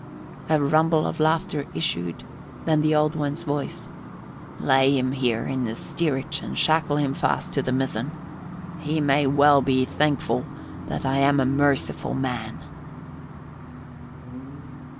A rumble of laughter issued, then the Old One's voice, "Lay him here in the steerage and shackle him fast to the mizzen. He may well be thankful that I am a merciful man."